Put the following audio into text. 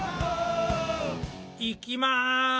・いきます。